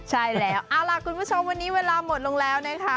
ใช่แล้วเอาล่ะคุณผู้ชมวันนี้เวลาหมดลงแล้วนะคะ